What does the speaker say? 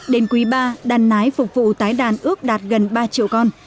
đến quý ba đàn nái phục vụ tái đàn ước đạt gần ba triệu con